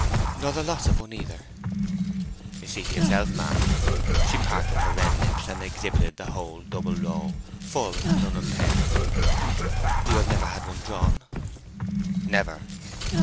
"Nor the loss of one, either?" "See for yourself, ma'am." She parted her red lips, and exhibited the whole double row, full up and unimpaired. "You have never had one drawn?" "Never."